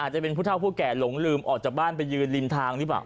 จะเป็นผู้เท่าผู้แก่หลงลืมออกจากบ้านไปยืนริมทางหรือเปล่า